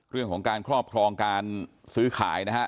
เรื่องของการครอบครองการซื้อขายนะฮะ